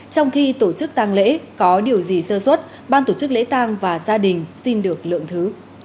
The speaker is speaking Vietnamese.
công an tổ chức lễ tang và gia đình xin được lượng thứ